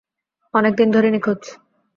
অনেক দিন ধরে নিখুঁজ।